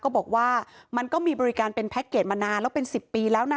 บอกว่ามันก็มีบริการเป็นแพ็คเกจมานานแล้วเป็น๑๐ปีแล้วนะ